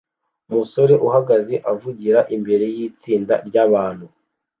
Umusore uhagaze avugira imbere yitsinda ryabantu